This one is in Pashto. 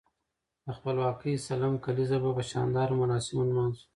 د خپلواکۍ سلم کاليزه به په شاندارو مراسمو نمانځو.